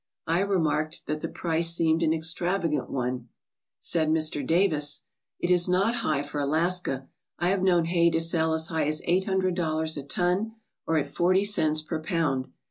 I remarked that the price seemed an extravagant one Said Mr. Davis: " It is not high for Alaska. I have known hay to sell as high as eight hundred dollars a ton or at forty cents per pound.